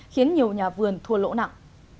khiến nhiều nhà vườn thua lỗ nặng